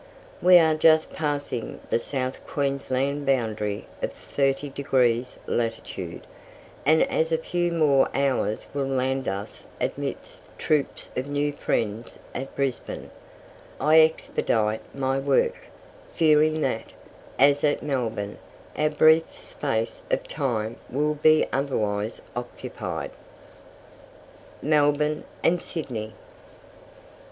We are just passing the South Queensland boundary of 30 degrees latitude, and as a few more hours will land us amidst troops of new friends at Brisbane, I expedite my work, fearing that, as at Melbourne, our brief space of time will be otherwise occupied. MELBOURNE AND SYDNEY.